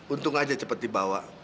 untung aja cepat dibawa